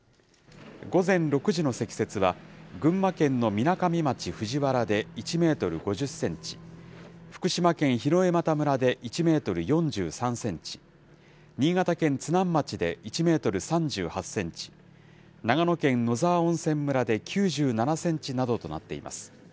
午前６時の積雪は、群馬県のみなかみ町藤原で１メートル５０センチ、福島県桧枝岐村で１メートル４３センチ、新潟県津南町で１メートル３８センチ、長野県野沢温泉村で９７センチなどとなっています。